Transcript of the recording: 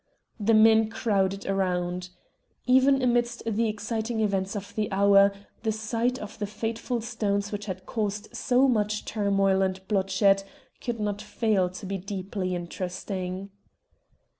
The men crowded around. Even amidst the exciting events of the hour, the sight of the fateful stones which had caused so much turmoil and bloodshed could not fail to be deeply interesting.